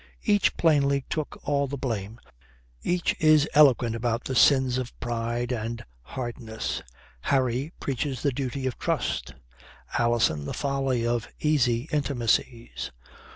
Each plainly took all the blame. Each is eloquent about the sins of pride and hardness. Harry preaches the duty of trust; Alison the folly of easy intimacies.